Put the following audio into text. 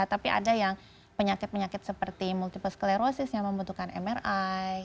tapi ada yang penyakit penyakit seperti multiplesklerosis yang membutuhkan mri